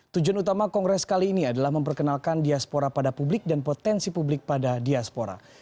tujuan utama kongres kali ini adalah memperkenalkan diaspora pada publik dan potensi publik pada diaspora